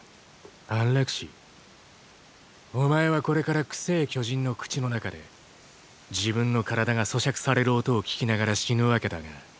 安楽死？お前はこれから臭ぇ巨人の口の中で自分の体が咀嚼される音を聞きながら死ぬわけだが。